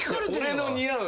俺の似合う。